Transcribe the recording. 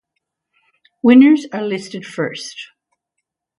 Winners are listed first.